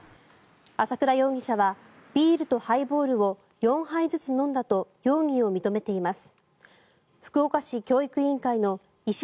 朝倉容疑者はビールとハイボールを４杯ずつ飲んだと容疑を認めています。